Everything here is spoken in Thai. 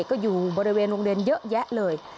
ก็อยู่บริเวณโรงเรียนเยอะแยะเลย